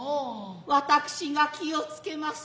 私が気をつけます。